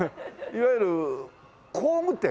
いわゆる工具店？